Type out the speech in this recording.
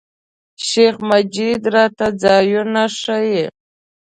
شیخ مجید راته ځایونه ښیي.